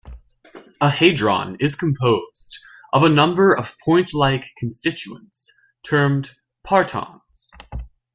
A hadron is composed of a number of point-like constituents, termed "partons".